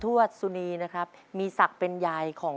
ตัวเลือกที่สอง๘คน